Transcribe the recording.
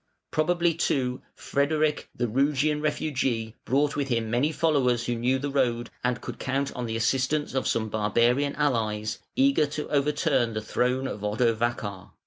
Probably, too, Frederic, the Rugian refugee, brought with him many followers who knew the road and could count on the assistance of some barbarian allies, eager to overturn the throne of Odovacar.